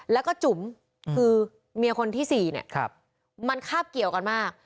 แล้วก็จุ๋มคือเมียคนที่๔เนี่ยมันคาบเกี่ยวกันมาก